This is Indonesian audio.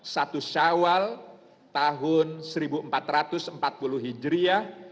satu syawal tahun seribu empat ratus empat puluh hijriah